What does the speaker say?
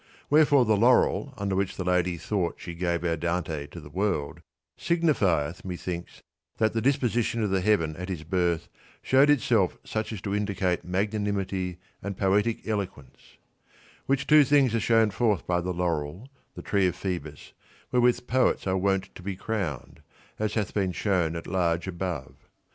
Wherefore the laurel under which the lady thought she gave our Dante to the world signifieth methinks that the disposition of the heaven at his birth showed itself such as to indicate 103 • magnanimity and poetic eloquence ; which two things are shown forth by the laurel, the tree of Phcebus, wherewith poets are wont to be crowned, as hath been shown at large above.